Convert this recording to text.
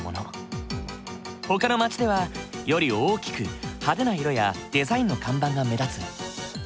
ほかの町ではより大きく派手な色やデザインの看板が目立つ。